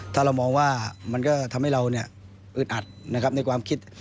ถ้าเรามองว่ามันก็ทำให้เราอึดอัดนะครับในความคิด